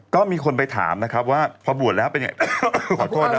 ก็มีคนไปถามนะครับว่าพอบวชแล้วเป็นยังไง